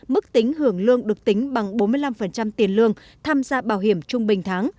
mức tính hưởng lương được tính bằng bốn mươi năm tiền lương tham gia bảo hiểm trung bình tháng